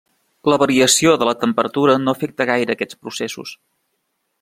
La variació de la temperatura no afecta gaire aquests processos.